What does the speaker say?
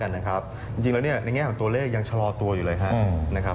แล้วกันนะครับจริงแล้วในแง่ของตัวเลขยังชะลอตัวอยู่เลยครับ